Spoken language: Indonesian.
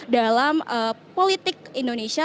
dalam politik indonesia